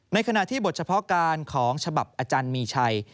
ในขณะที่บทเฉพาะการของฉบับอาจารย์มีชัย